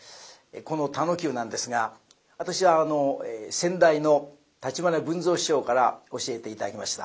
この「田能久」なんですが私は先代の橘家文蔵師匠から教えて頂きました。